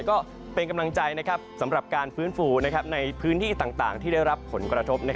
ก็เป็นกำลังใจสำหรับการฟื้นฟูในพื้นที่ต่างที่ได้รับผลกระทบ